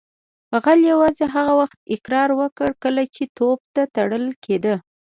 غل یوازې هغه وخت اقرار وکړ کله چې توپ ته تړل کیده